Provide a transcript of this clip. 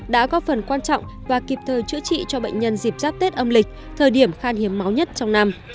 đã góp phần quan trọng và kịp thời chữa trị cho bệnh nhân dịp giáp tết âm lịch thời điểm khan hiếm máu nhất trong năm